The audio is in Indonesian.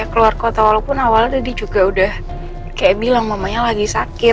keluar kota walaupun awalnya tadi juga udah kayak bilang mamanya lagi sakit